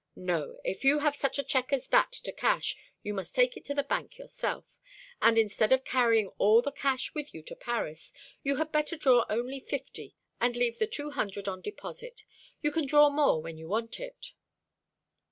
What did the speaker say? No, if you have such a cheque as that to cash, you must take it to the Bank yourself; and instead of carrying all the cash with you to Paris, you had better draw only fifty, and leave the two hundred on deposit. You can draw more when you want it."